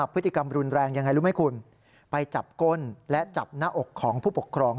พฤติกรรมรุนแรงยังไงรู้ไหมคุณไปจับก้นและจับหน้าอกของผู้ปกครอง